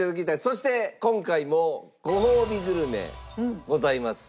そして今回もごほうびグルメございます。